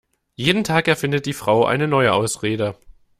Jeden Tag erfindet die Frau eine neue Ausrede.